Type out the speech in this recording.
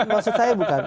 maksud saya bukan